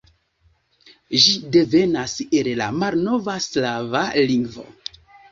Ĝi devenas el la malnova slava lingvo.